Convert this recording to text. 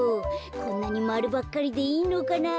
こんなにまるばっかりでいいのかな。